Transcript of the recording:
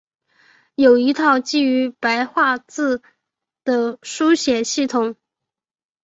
有一套基于白话字的书写系统。